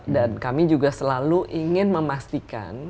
dan kami juga selalu ingin memastikan